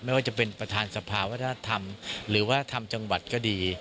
ไม่ว่าจะเป็นประธานสภาวัทธรรมหรือว่าพระท่านสภาวิทยาศาสตร์ก็ดี